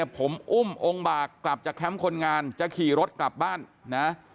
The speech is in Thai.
ผมอุ้มองค์บากกลับจากแคมป์คนงานจะขี่รถกลับบ้านนะ